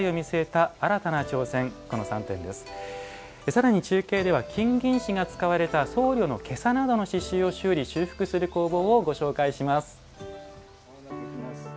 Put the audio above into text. さらに中継では金銀糸が使われた僧侶の袈裟などの衣装を修理・修復工房をご紹介します。